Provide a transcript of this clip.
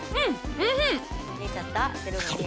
「０」が見えちゃった。